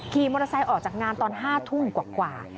ขี่มอเตอร์ไซค์ออกจากงานตอน๕ทุ่มกว่า